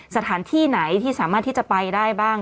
สถานที่ไหนที่สามารถที่จะไปได้บ้าง